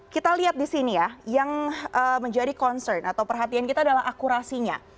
kita lihat di sini ya yang menjadi concern atau perhatian kita adalah akurasinya